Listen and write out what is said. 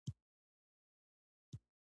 احمد چې هر مجلس ته ورشي اړخ یې بدلوي.